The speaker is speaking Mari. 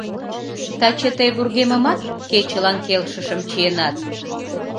Таче тый вургемымат кечылан келшышым чиенат.